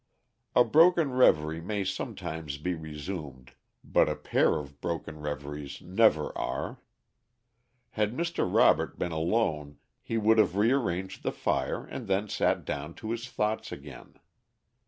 A broken reverie may sometimes be resumed, but a pair of broken reveries never are. Had Mr. Robert been alone he would have rearranged the fire and then sat down to his thoughts again.